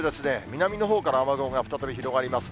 南のほうから雨雲が再び広がります。